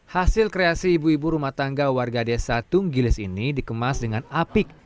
hasil kreasi ibu ibu rumah tangga warga desa tunggilis ini dikemas dengan apik